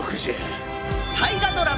大河ドラマ